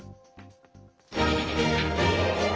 はい。